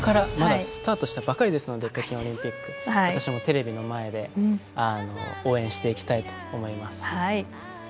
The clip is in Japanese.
まだスタートしたばかりなので私もテレビの前で応援していきたいと思います。